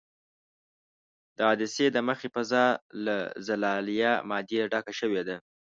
د عدسیې د مخې فضا له زلالیه مادې ډکه شوې ده.